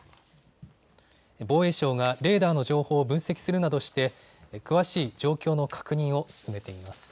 防衛省がレーダーの情報を分析するなどして詳しい状況の確認を進めています。